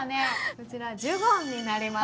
こちらジュゴンになります。